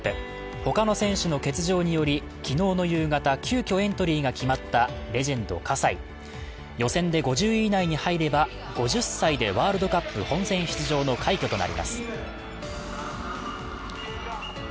他の選手の欠場により、昨日の夕方急きょ、エントリーが決まったレジェンド・葛西、予選で５０位以内に入れば５０歳でワールドカップ本戦出場の快挙となります。